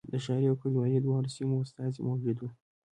د ښاري او کلیوالي دواړو سیمو استازي موجود و.